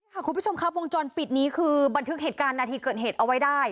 คุณผู้ชมครับวงจรปิดนี้คือบันทึกเหตุการณ์นาทีเกิดเหตุเอาไว้ได้